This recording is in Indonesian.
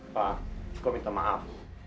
pak aku minta maaf